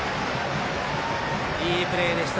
いいプレーでした。